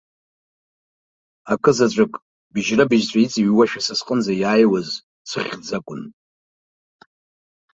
Акызаҵәык, быжьрабыжьҵәа иҵыҩуашәа са сҟынӡа иааҩуаз сыхьӡ акәын.